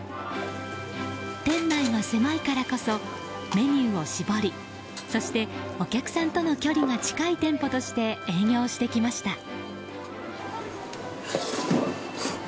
店内が狭いからこそメニューを絞りそして、お客さんとの距離が近い店舗として営業してきました。